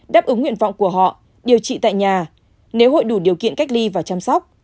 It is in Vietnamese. đáp ứng nguyện vọng của họ điều trị tại nhà nếu hội đủ điều kiện cách ly và chăm sóc